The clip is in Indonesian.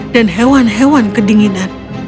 dan hewan hewan kedinginan